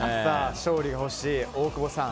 勝利が欲しい大久保さん。